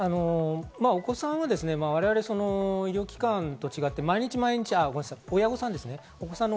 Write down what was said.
お子さんは我々、医療機関とは違って毎日、ごめんなさい、親御さんですね。